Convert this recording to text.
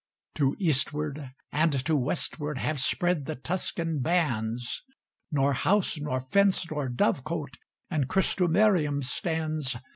To eastward and to westward Have spread the Tuscan bands; Nor house, nor fence, nor dovecote In Crustumerium stands.